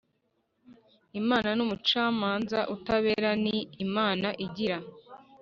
Imana ni umucamanza utabera Ni Imana igira